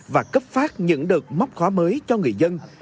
và cấp phát những đợt móc khóa mới cho người dân